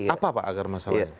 apa pak akar masalahnya